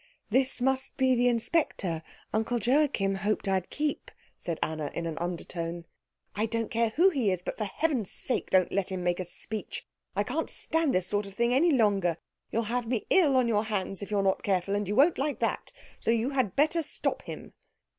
"This must be the inspector Uncle Joachim hoped I'd keep," said Anna in an undertone. "I don't care who he is, but for heaven's sake don't let him make a speech. I can't stand this sort of thing any longer. You'll have me ill on your hands if you're not careful, and you won't like that, so you had better stop him."